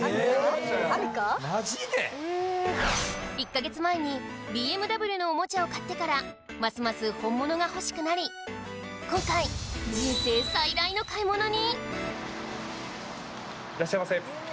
１か月前にＢＭＷのおもちゃを買ってからますます本物が欲しくなり今回いらっしゃいませ。